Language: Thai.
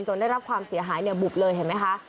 ได้รับความเสียหายเนี่ยบุบเลยเห็นไหมคะ